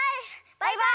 バイバイ！